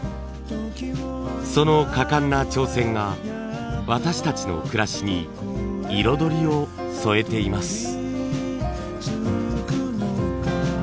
その果敢な挑戦が私たちの暮らしに彩りを添えています。